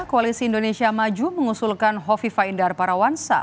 koalisi indonesia maju mengusulkan hovhifa indahar parawansa